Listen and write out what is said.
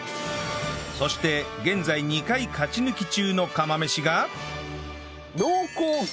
そして現在２回勝ち抜き中の釜飯が